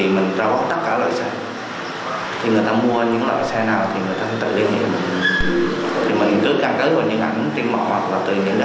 mấy năm được chịu thông điệp